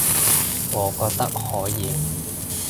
我覺得可以